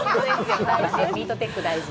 ヒートテック大事。